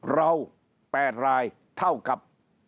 เรา๘รายเท่ากับ